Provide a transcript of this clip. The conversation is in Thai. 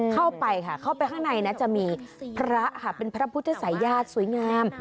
เข้าไปค่ะเข้าไปข้างในนะจะมีพระเป็นพระพุทธทรายาทธรรมสวยงาม